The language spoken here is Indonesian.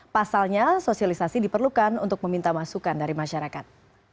pasalnya sosialisasi diperlukan untuk meminta masukan dari masyarakat